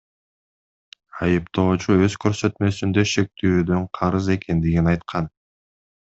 Айыптоочу өз көрсөтмөсүндө шектүүдөн карыз экендигин айткан.